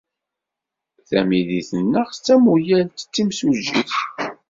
Tamidit-nneɣ tamuyaft d timsujjit.